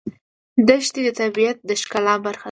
دښتې د طبیعت د ښکلا برخه ده.